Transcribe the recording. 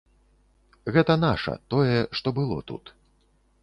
Гэта наша, тое, што было тут.